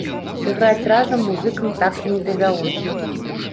Сыграць разам музыкам так і не давялося.